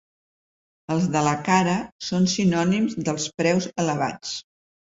Els de la cara són sinònims dels preus elevats.